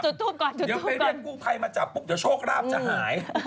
เดี๋ยวไปเรียกกู้ภัยมาจับปุ๊บเดี๋ยวโชคราบจะหาย